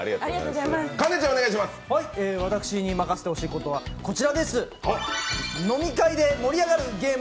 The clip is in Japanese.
私におまかせしてほしいことは、こちらです。